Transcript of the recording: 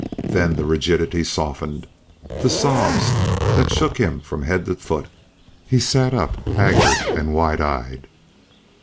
Then this rigidity softened to sobs that shook him from head to foot. He sat up, haggard and wild eyed.